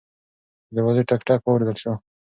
د دروازې ټک ټک واورېدل شو.